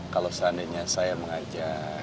kalo seandainya saya mengajak